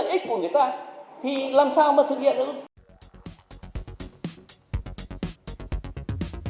thì làm sao mà thực hiện được